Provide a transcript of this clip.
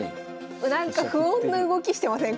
なんか不穏な動きしてません？